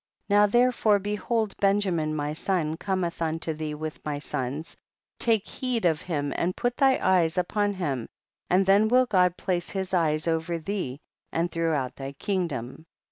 Now therefore beliold Benja ynin my son cometh unto thee with my sons, take heed of him and put thy eyes upon him, and then will God place his eyes over th'Ce and throughout thy kingdom.